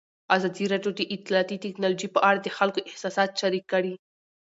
ازادي راډیو د اطلاعاتی تکنالوژي په اړه د خلکو احساسات شریک کړي.